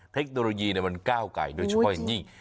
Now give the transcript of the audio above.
เทคโนโลยีมันก้าวไก่โดยเฉพาะอย่างยิ่ง